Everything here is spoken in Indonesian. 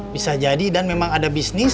bisa jadi dan memang ada bisnis